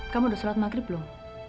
kamu udah sholat maghrib belum